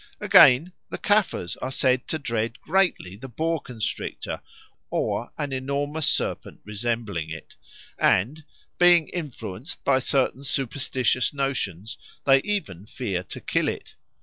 Again, the Caffres are said to dread greatly the boa constrictor or an enormous serpent resembling it; "and being influenced by certain superstitious notions they even fear to kill it.